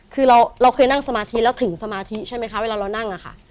คือเราเคยนั่งสมาธิแล้วถึงสมาธิใช่ไหมคะเวลาเรานั่งอะค่ะ